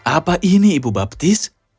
apa ini ibu baptis